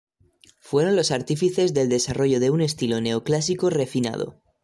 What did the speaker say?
Fueron los artífices del desarrollo de un estilo neoclásico refinado.